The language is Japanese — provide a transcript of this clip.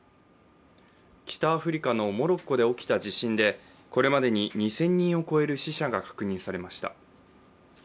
北アフリカのモロッコで起きた地震でこれまでに２０００人を超える死者が確認されました。